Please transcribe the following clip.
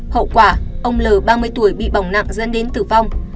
hậu quả ông l ba mươi tuổi bị bỏng nặng dẫn đến tử vong